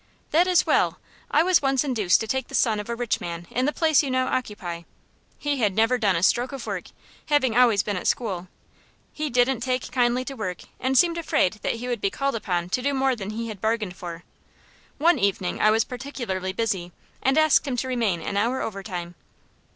"That is well. I was once induced to take the son of a rich man in the place you now occupy. He had never done a stroke of work, having always been at school. He didn't take kindly to work, and seemed afraid that he would be called upon to do more than he had bargained for. One evening I was particularly busy, and asked him to remain an hour overtime.